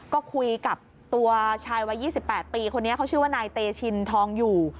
ก็คุยกับตัวชายวัย๒๘ปีคนนี้เขาชื่อว่านายเตชินทองอยู่